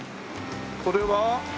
これは？